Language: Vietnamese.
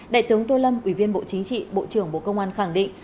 đại tướng tô lâm ủy viên bộ chính trị bộ trưởng bộ công an khẳng định